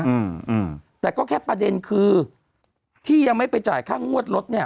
อืมอืมแต่ก็แค่ประเด็นคือที่ยังไม่ไปจ่ายค่างวดรถเนี้ย